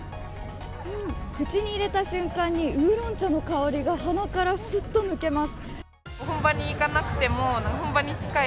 口に入れた瞬間にウーロン茶の香りが鼻からスッと抜けます。